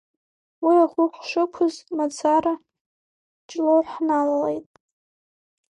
Уи ахәы ҳшықәыз мацара Ҷлоу ҳналалеит.